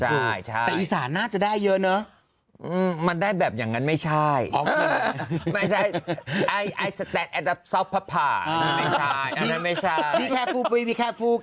ประโยชน์ก็ให้ใช่อีสานน่าจะได้เยอะเนอะมันได้แบบอย่างนั้นไม่ใช่ไม่ใช่รับซับภาษาใบซาของแล้วถูก